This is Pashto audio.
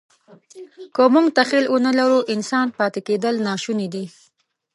که موږ تخیل ونهلرو، انسان پاتې کېدل ناشوني دي.